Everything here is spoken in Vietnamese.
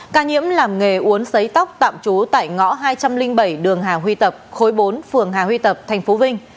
ca nhiễm làm nghề uốn sấy tóc tạm trú tại ngõ hai trăm linh bảy đường hà huy tập khối bốn phường hà huy tập thành phố vinh